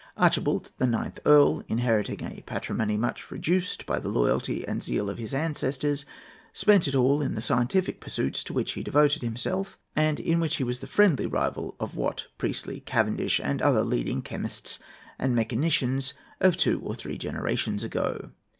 Archibald, the ninth Earl, inheriting a patrimony much reduced by the loyalty and zeal of his ancestors, spent it all in the scientific pursuits to which he devoted himself, and in which he was the friendly rival of Watt, Priestley, Cavendish, and other leading chemists and mechanicians of two or three generations ago.